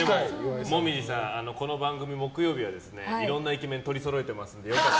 紅葉さんこの番組、木曜日はいろんなイケメン取りそろえてますので。